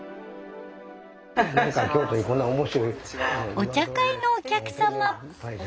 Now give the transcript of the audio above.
お茶会のお客様。